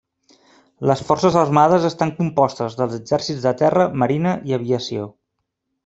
Les forces armades estan compostes dels exèrcits de terra, marina i aviació.